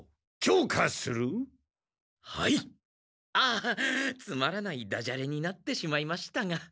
あっつまらないダジャレになってしまいましたが。